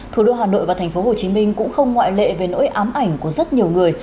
thủ đô hà nội và thành phố hồ chí minh cũng không ngoại lệ về nỗi ám ảnh của rất nhiều người